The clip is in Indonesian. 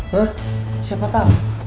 hah siapa tau